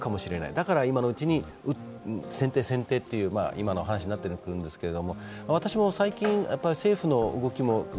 だから今のうちに先手先手という今の話になってくるんですけど。